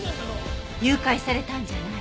誘拐されたんじゃない？